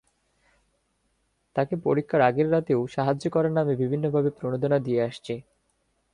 তাঁকে পরীক্ষার আগের রাতেও সাহায্য করার নামে বিভিন্নভাবে প্রণোদনা দিয়ে আসছে।